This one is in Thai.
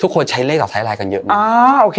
ทุกคนใช้เลขต่อท้ายไลน์กันเยอะนะ